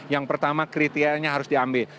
yang pertama kriterianya harus diambil